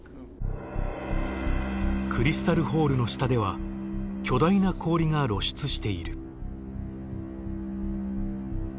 クリスタル・ホールの下では巨大な氷が露出している。